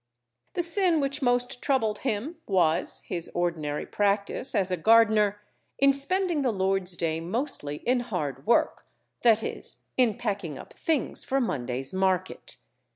The sin which most troubled him was (his ordinary practice) as a gardener, in spending the Lord's day mostly in hard work, viz., in packing up things for Monday's market.